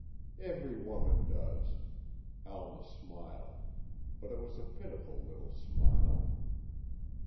"Every woman does," Alma smiled, but it was a pitiful little smile.